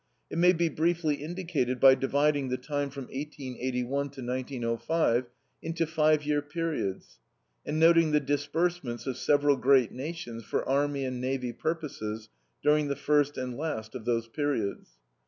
It may be briefly indicated by dividing the time from 1881 to 1905 into five year periods, and noting the disbursements of several great nations for army and navy purposes during the first and last of those periods.